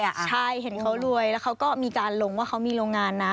ใช่เห็นเขารวยแล้วเขาก็มีการลงว่าเขามีโรงงานนะ